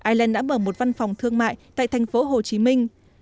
ireland đã mở một văn phòng thương mại tại thành phố hồ chí minh